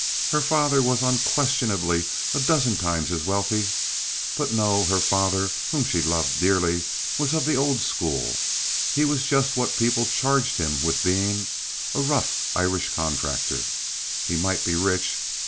Her father was unquestionably a dozen times as wealthy. But no, her father, whom she loved dearly, was of the old school. He was just what people charged him with being, a rough Irish contractor. He might be rich.